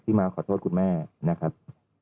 มาขอโทษคุณแม่นะครับ